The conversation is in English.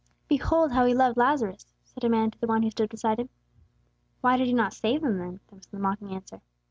"Behold how He loved Lazarus!" said a man to the one who stood beside him. "Why did He not save him then?" was the mocking answer.